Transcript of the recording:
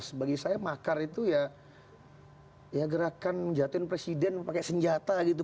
sebagai saya makar itu ya gerakan menjatuhin presiden pakai senjata gitu